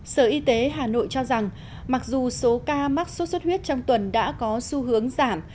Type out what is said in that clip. sở y tế hà nội cho rằng mặc dù số ca mắc sốt xuất huyết trong tuần đã có xu hướng giảm